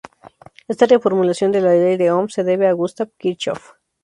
Esta reformulación de la ley de Ohm se debe a Gustav Kirchhoff.